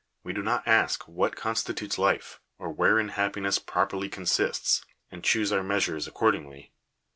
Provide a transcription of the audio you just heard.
We do not ask what constitutes life, or wherein happiness properly consists, and choose our measures accord ingly.